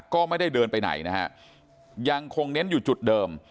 ก็ไม่ได้เดินไปไหนนะฮะยังคงเน้นอยู่จุดเดิม